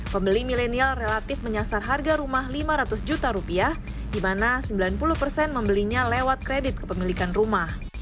pembeli milenial relatif menyasar harga rumah lima ratus juta rupiah di mana sembilan puluh persen membelinya lewat kredit kepemilikan rumah